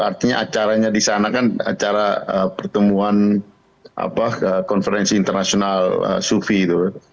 artinya acaranya di sana kan acara pertemuan konferensi internasional sufi itu